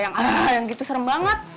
yang ada yang gitu serem banget